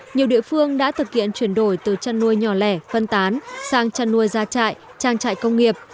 nhiều địa phương đã thực hiện chuyển đổi từ chăn nuôi nhỏ lẻ phân tán sang chăn nuôi gia trại trang trại công nghiệp